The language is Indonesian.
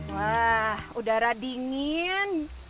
wah udara dingin